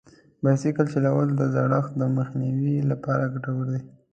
بایسکل چلول د زړښت د مخنیوي لپاره ګټور دي.